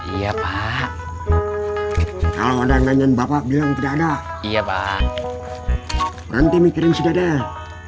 iya pak kalau ada nanyan bapak bilang tidak ada iya pak berhenti mikirin sudah deh